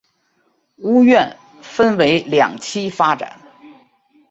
屋苑分为两期发展。